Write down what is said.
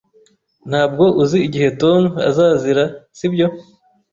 Ntabwo uzi igihe Tom azazira, sibyo?